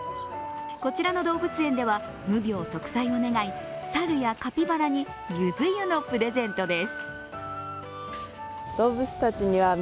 こちらの動物園では無病息災を願い、猿やカピバラにゆず湯のプレゼントです。